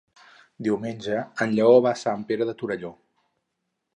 Diumenge en Lleó va a Sant Pere de Torelló.